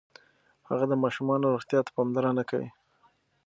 هغه د ماشومانو روغتیا ته پاملرنه کوي.